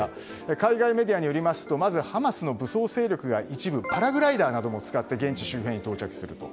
海外メディアによりますとまずハマスの武装勢力が一部パラグライダーなども使って現地周辺に到着すると。